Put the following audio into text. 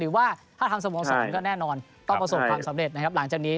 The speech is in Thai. หรือว่าถ้าทำส่วนผงสรองก็แน่นอนต้องประสบความสำเร็จหลังจากนี้